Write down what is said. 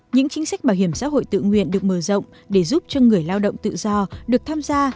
những chính sách bảo hiểm xã hội tự nguyện được mở rộng để giúp cho người lao động tự do được tham gia